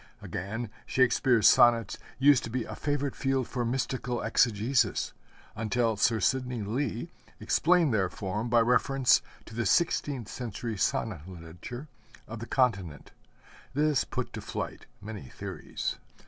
Again, Shakespeare's sonnets used to be a favorite field for mystical exegesis, until Sir Sidney Lee explained their form by reference to the sixteenth century sonnet literature of the continent. This put to flight many theories.